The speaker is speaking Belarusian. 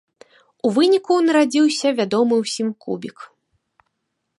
У выніку нарадзіўся вядомы ўсім кубік.